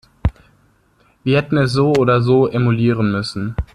Wir hätten es so oder so emulieren müssen.